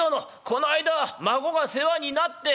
この間は孫が世話になって」。